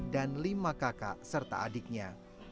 dan lima kakak serta adiknya